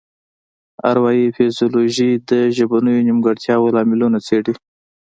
اروايي فزیولوژي د ژبنیو نیمګړتیاوو لاملونه څیړي